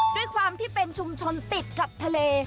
ด้วยความที่เป็นชุมชนติดกับทะเล